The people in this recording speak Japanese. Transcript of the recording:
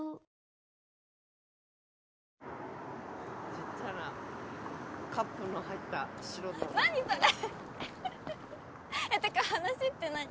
ちっちゃなカップの入った白の何それってか話って何？